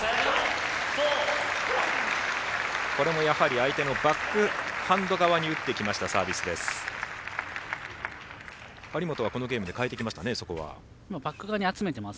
相手のバックハンド側に打っていきましたサービスです。